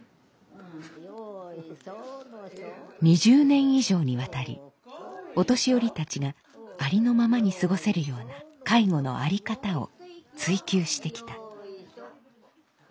２０年以上にわたりお年寄りたちがありのままに過ごせるような介護の在り方を追求してきた。